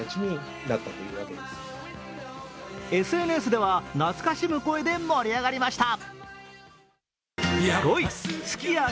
ＳＮＳでは、懐かしむ声で盛り上がりました。